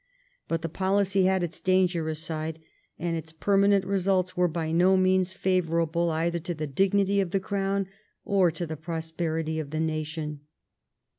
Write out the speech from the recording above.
But the policy had its dangerous side, and its permanent results were by no means favourable either to the dignity of the crown or to the prosperity of the nation.